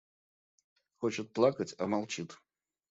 Хочет плакать, а молчит.